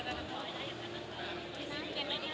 เก็บไหม